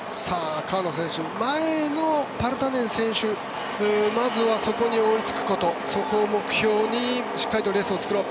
川野選手は前のパルタネン選手まずはそこに追いつくことそこを目標にしっかりとレースを作ろう。